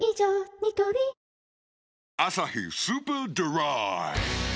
ニトリ「アサヒスーパードライ」